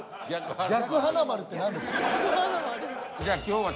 「逆華丸」って何ですか？